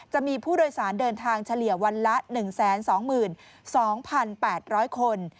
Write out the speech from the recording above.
จะมีผู้โดยสารเดินทางเฉลี่ยวันละ๑๒๒๘๐๐คน